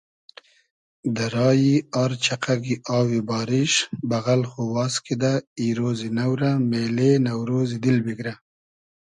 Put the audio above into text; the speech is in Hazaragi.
دۂ رایی آر چئقئگی آوی باریش بئغئل خو واز کیدۂ ای رۉزی نۆ رۂ مېلې نۆرۉزی دیل بیگرۂ